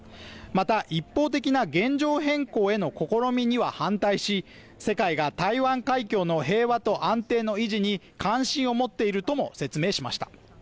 また、一方的な現状変更への試みには反対し、世界が台湾海峡の平和と安定の維持に関心を持っているとも説明しました。